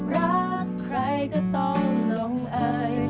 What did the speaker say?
รักใครก็ต้องลงเอ่ย